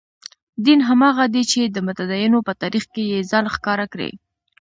دین هماغه دی چې د متدینو په تاریخ کې یې ځان ښکاره کړی.